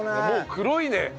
もう黒いね。